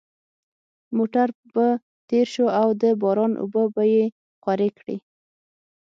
موټر به تېر شو او د باران اوبه به یې خورې کړې